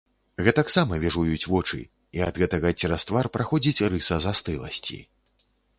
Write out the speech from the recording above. Гэтаксама віжуюць вочы, і ад гэтага цераз твар праходзіць рыса застыласці.